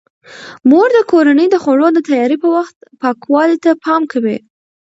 مور د کورنۍ د خوړو د تیاري په وخت پاکوالي ته پام کوي.